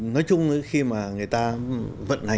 nói chung khi mà người ta vận hành